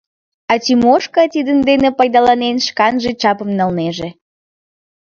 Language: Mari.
А Тимошка, тидын дене пайдаланен, шканже чапым налнеже.